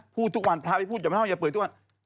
พูดทุกวันพระไปพูดอย่าเน่าอย่าเปื่อยทุกวัน